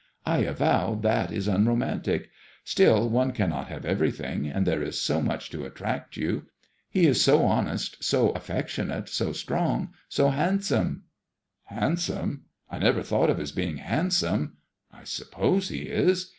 I avow that is unromantic. Still one cannot have everything, and there is so much to attract you. He is so honest, so affec tionate, 80 strong, so hand some." " Handsome ; I never thought of his being handsome. I sup pose he is.